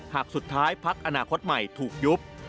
หากสุดท้ายพักอนาคตใหม่ถูกยุบ